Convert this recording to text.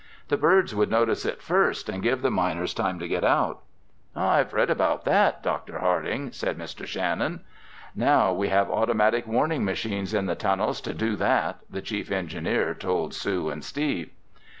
The birds would notice it first and give the miners time to get out." "I've read about that, Dr. Harding," said Mr. Shannon. "Now we have automatic warning machines in the tunnels to do that," the chief engineer told Sue and Steve.